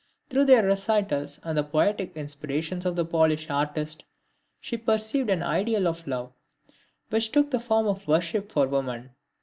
Through their recitals and the poetic inspiration of the Polish artist, she perceived an ideal of love which took the form of worship for woman.